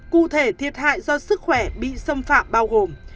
cụ thể thiệt hại do sức khỏe bị xâm phạm bao gồm